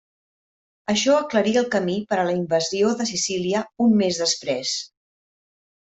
Això aclarí el camí per a la invasió de Sicília un mes després.